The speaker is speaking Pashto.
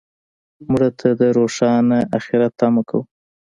مړه ته د روښانه آخرت تمه کوو